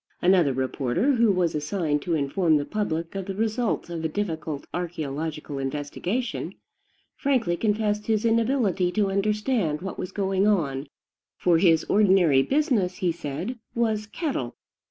Another reporter, who was assigned to inform the public of the results of a difficult archeological investigation, frankly confessed his inability to understand what was going on; for his ordinary business, he said, was cattle.